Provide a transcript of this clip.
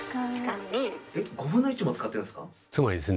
えっ５分の１も使ってるんですか？